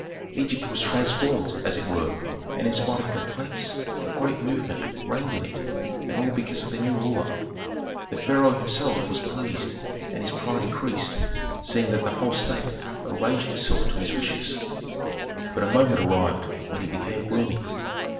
Egypt was transformed, as it were, and in spite of complaints a great movement reigned in it, and all because of the new ruler. The pharaoh himself was pleased and his pride increased, seeing that the whole state arranged itself to his wishes. But a moment arrived when he became gloomy.